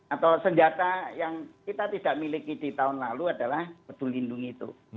atau senjata yang kita tidak miliki di tahun lalu adalah peduli lindung itu